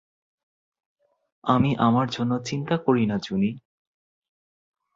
আমি আমার জন্য চিন্তা করি না জুনি।